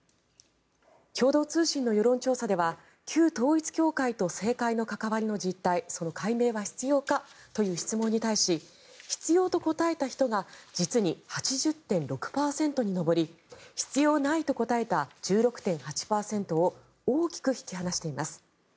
共同通信の世論調査では旧統一教会と政界の関わりの実態その解明は必要かという質問に対し必要と答えた人が実に８０．６％に上り必要ないと答えた１６．８％を大きく引き離しています。